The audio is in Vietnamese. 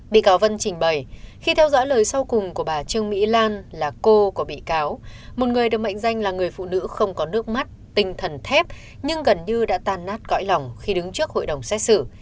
bị cáo vân trình bày khi theo dõi lời sau cùng của bà trương mỹ lan là cô của bị cáo một người được mệnh danh là người phụ nữ không có nước mắt tinh thần thép nhưng gần như đã tan nát cõi lòng khi đứng trước hội đồng xét xử